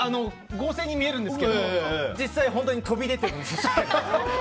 合成に見えるんですけど実際に飛び出てるんです。